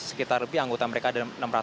sekitar lebih anggota mereka ada enam ratus